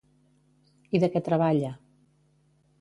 I de què treballa?